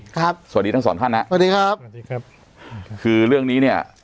ครับสวัสดีทั้งสองท่านนะสวัสดีครับคือเรื่องนี้เนี่ย